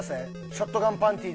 ショットガンパンティ？